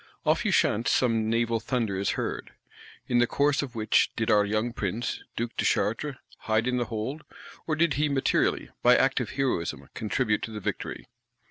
Off Ushant some naval thunder is heard. In the course of which did our young Prince, Duke de Chartres, "hide in the hold;" or did he materially, by active heroism, contribute to the victory?